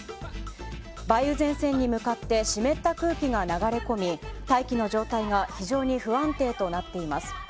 梅雨前線に向かって湿った空気が流れ込み大気の状態が非常に不安定となっています。